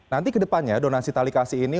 nanti ke depannya donasi talikasi ini